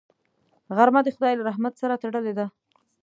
غرمه د خدای له رحمت سره تړلې ده